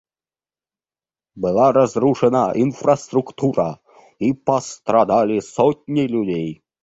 Была разрушена инфраструктура, и пострадали сотни людей.